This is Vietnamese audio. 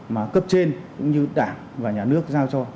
mà cấp trên cũng như đảng và nhà nước giao cho